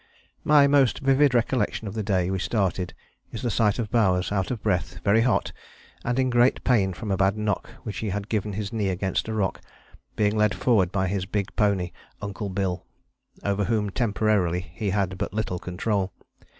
My most vivid recollection of the day we started is the sight of Bowers, out of breath, very hot, and in great pain from a bad knock which he had given his knee against a rock, being led forward by his big pony Uncle Bill, over whom temporarily he had but little control.